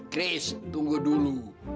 kris tunggu dulu